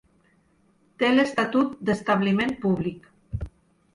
Té l'estatut d'establiment públic.